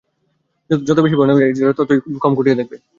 যত বেশি ভয়ানক লাগবে, এজরা ততটাই কম খুটিয়ে দেখবে।